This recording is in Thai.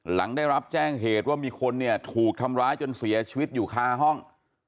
หลังได้รับแจ้งเหตุว่ามีคนเนี่ยถูกทำร้ายจนเสียชีวิตอยู่คาห้อง